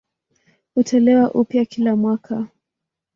Hutolewa upya kila mwaka.